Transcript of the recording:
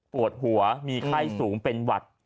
ปวดหัวมีไข้สูงเป็นหวัด